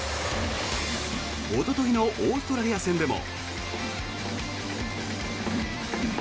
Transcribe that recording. おとといのオーストラリア戦でも。